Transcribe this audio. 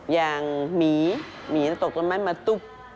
อย่างหมีหมีตกตนมันมาตุ๊บ